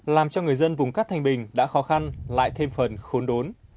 làm cho người dân vùng cát thanh bình đã khó khăn lại thêm phần khốn đốn